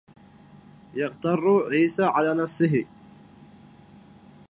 يقتر عيسى على نفسه